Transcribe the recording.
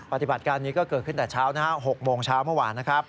ปฏิบัติการนี้ก็เกิดขึ้นแต่เช้า๖โมงเช้าเมื่อวานนะครับ